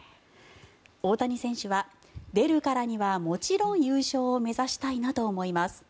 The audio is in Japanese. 大谷選手は、出るからにはもちろん優勝を目指したいなと思います